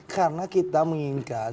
karena kita menginginkan